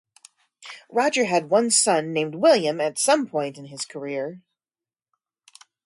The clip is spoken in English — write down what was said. Roger had one son, named William, at some point in his career.